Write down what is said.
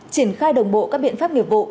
triển khai đồng bộ các biện pháp nghiệp vụ